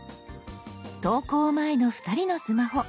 投稿前の２人のスマホ。